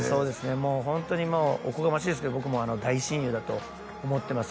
もうホントにおこがましいですけど僕も大親友だと思ってます